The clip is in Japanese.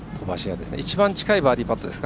一番近いバーディーパットですか。